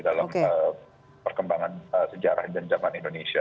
dalam perkembangan sejarah dan zaman indonesia